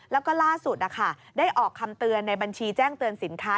แล้วก็ล่าสุดได้ออกคำเตือนในบัญชีแจ้งเตือนสินค้า